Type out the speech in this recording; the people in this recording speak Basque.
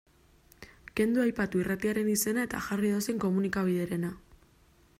Kendu aipatu irratiaren izena eta jarri edozein komunikabiderena.